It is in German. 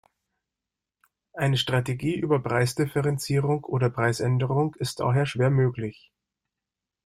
Eine Strategie über Preisdifferenzierung oder Preisänderung ist daher schwer möglich.